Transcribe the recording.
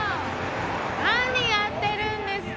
何やってるんですか？